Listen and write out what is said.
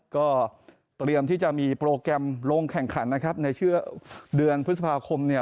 ก็เตรียมที่จะมีโปรแกรมลงแข่งขันนะครับในเชื่อเดือนพฤษภาคมเนี่ย